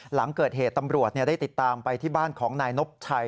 หลังเกิดเหตุตำรวจได้ติดตามไปที่บ้านของนายนบชัย